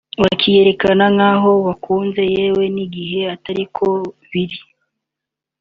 bakiyerekana nkaho bakunze yewe n’igihe atariko biri